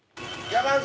山内。